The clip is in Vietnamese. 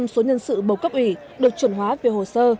một trăm linh số nhân sự bầu cấp ủy được chuẩn hóa về hồ sơ